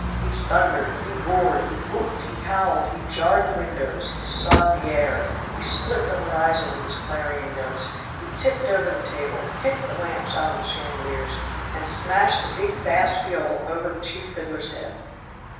He thundered, he roared, he whooped, he howled, he jarred the windows, he sawed the air, he split the horizon with his clarion notes, he tipped over the table, kicked the lamps out of the chandeliers and smashed the big bass viol over the chief fiddler's head.